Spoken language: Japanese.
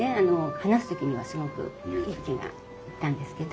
話す時にはすごく勇気がいったんですけど。